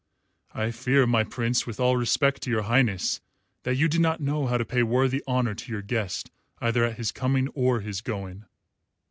I fear, my Prince, with all respect to your Highness, that you did not know how to pay worthy honour to your guest either at his coming or his going."